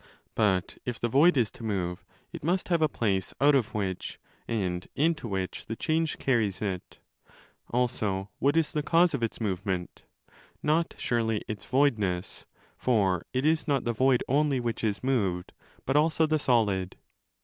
But if the void is to move, it must have a place out of which and into which the change carries it. Also what is the cause of its movement? Not, surely, its voidness: for it is not the void only which is moved, but also the solid.